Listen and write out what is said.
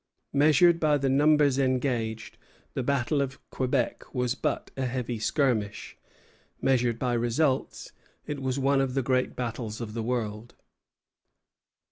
Measured by the numbers engaged, the battle of Quebec was but a heavy skirmish; measured by results, it was one of the great battles of the world.